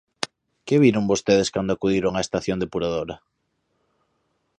¿Que viron vostedes cando acudiron á estación depuradora?